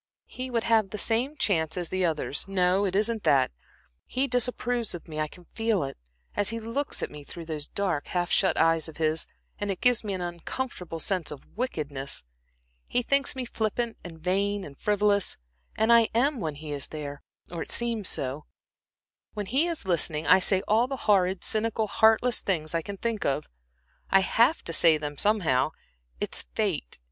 "He would have the same chance as the others. No, it isn't that. He disapproves of me; I can feel it, as he looks at me through those dark, half shut eyes of his, and it gives me an uncomfortable sense of wickedness. He thinks me flippant, and vain, and frivolous, and I am when he is there, or I seem so. When he is listening, I say all the horrid, cynical, heartless things I can think of. I have to say them, somehow. It is fate.